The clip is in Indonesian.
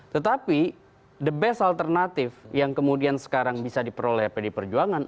tetapi the best alternatif yang kemudian sekarang bisa diperoleh pdi perjuangan